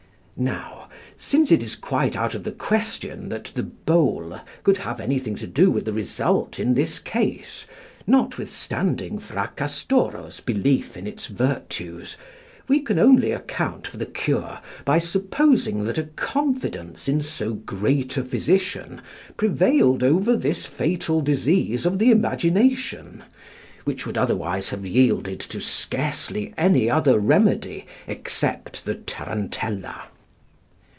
Now, since it is quite out of the question that the bole could have anything to do with the result in this case, notwithstanding Fracastoro's belief in its virtues, we can only account for the cure by supposing, that a confidence in so great a physician prevailed over this fatal disease of the imagination, which would otherwise have yielded to scarcely any other remedy except the tarantella.